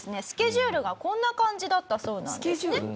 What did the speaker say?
スケジュールがこんな感じだったそうなんですね。